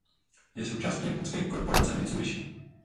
Je součástí japonské korporace Mitsubishi.